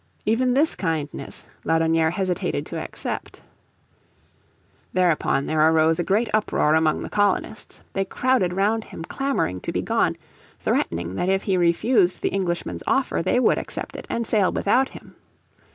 Even this kindness Laudonnière hesitated to accept. Thereupon there arose a great uproar among the colonists, they crowded round him clamouring to be gone, threatening that if he refused the Englishman's offer they would accept it and sail without him.